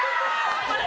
頑張れ！